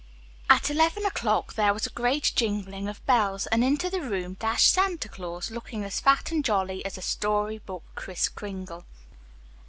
At eleven o'clock there was a great jingling of bells and into the room dashed Santa Claus, looking as fat and jolly as a story book Kris Kringle.